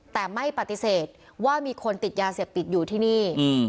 แต่ไม่ปฏิเสธว่ามีคนติดยาเสพติดอยู่ที่นี่